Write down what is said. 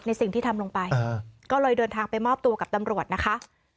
สิ่งที่ทำลงไปก็เลยเดินทางไปมอบตัวกับตำรวจนะคะ